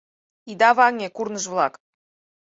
Ида ваҥе, курныж-влак!